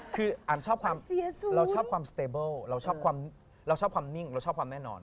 คืออันชอบความเราชอบความสเตเบิลเราชอบความนิ่งเราชอบความแน่นอน